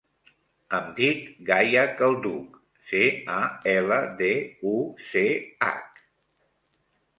Em dic Gaia Calduch: ce, a, ela, de, u, ce, hac.